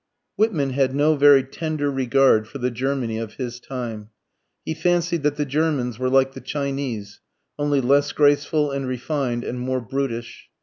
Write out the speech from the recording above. Whitman had no very tender regard for the Germany of his time. He fancied that the Germans were like the Chinese, only less graceful and refined and more brutish.